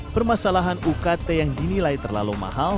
permasalahan ukt yang dinilai terlalu mahal